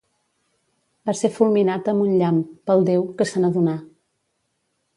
Va ser fulminat amb un llamp, pel déu, que se n'adonà.